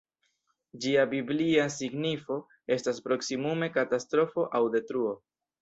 Ĝia biblia signifo estas proksimume ‹katastrofo› aŭ ‹detruo›.